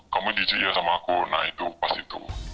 kamu di gecil ya sama aku nah itu pas itu